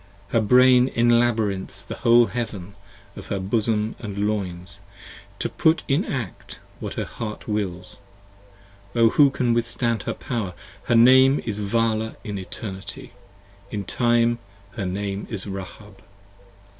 Her Brain enlabyrinths the whole heaven of her bosom & loins 30 To put in act what her Heart wills; O who can withstand her power? Her name is Vala in Eternity : in Time her name is Rahab.